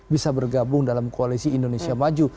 bisa bergabung dalam koalisi indonesia maju